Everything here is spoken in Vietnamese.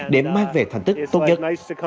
để mang về thành tức tốt nhất